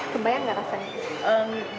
kebayang gak rasanya